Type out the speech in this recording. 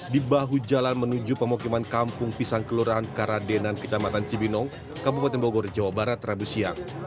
di bahu jalan menuju pemukiman kampung pisang kelurahan karadenan kecamatan cibinong kabupaten bogor jawa barat rabu siang